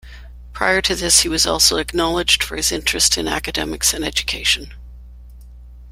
Prior to this, he was also acknowledged for his interest in academics and education.